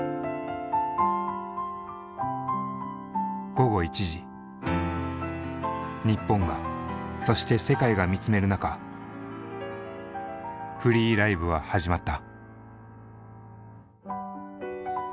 午後１時日本がそして世界が見つめる中「“Ｆｒｅｅ”Ｌｉｖｅ」は始まった。